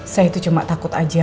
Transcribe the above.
saya itu cuma takut aja